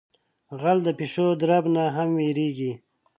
غل د پیشو درب نہ ھم یریگی.